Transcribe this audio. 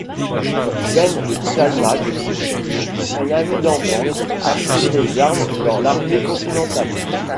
Ben Tallmadge, un ami d'enfance, a pris les armes dans l'armée continentale.